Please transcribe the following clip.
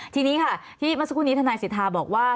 ทีนี้ค่ะที่เมื่อสักครู่นี้ทนายสิทธาบอกว่า